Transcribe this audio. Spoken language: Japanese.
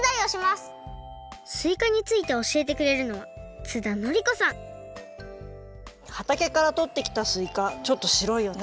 すいかについておしえてくれるのははたけからとってきたすいかちょっとしろいよね。